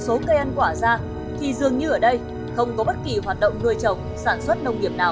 số cây ăn quả ra thì dường như ở đây không có bất kỳ hoạt động nuôi trồng sản xuất nông nghiệp nào